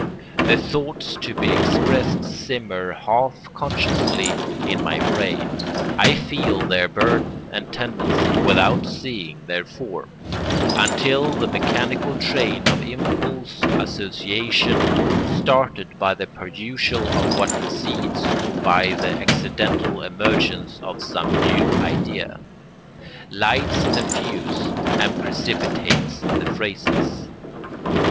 The thoughts to be expressed simmer half consciously in my brain. I feel their burden and tendency without seeing their form, until the mechanical train of impulsive association, started by the perusal of what precedes or by the accidental emergence of some new idea, lights the fuse and precipitates the phrases.